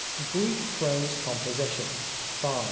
Greek Prose Composition — 5.